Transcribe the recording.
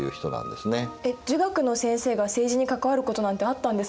儒学の先生が政治に関わることなんてあったんですね。